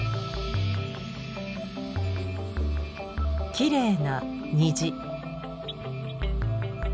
きれいな虹。